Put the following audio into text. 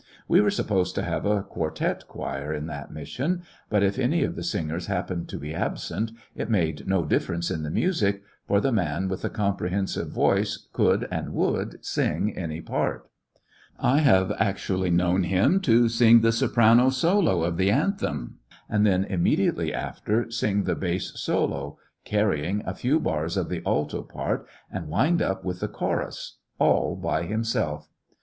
We were supposed to have a quartet choir in that mission^ but if any of the singers happened to be absent it made no difference io the musiCj for the man with the comprehensive voice could and would sing any part, I have actually known him to sing the soprano solo of the anthem, and then immediately after sing the bass solo^ carry a few bars of the alto part^ and wind up with the choruSj all by himself